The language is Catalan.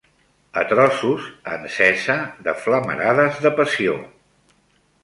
A trossos encesa de flamerades de passió